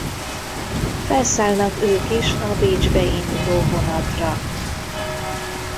Felszállnak ők is a Bécsbe induló vonatra.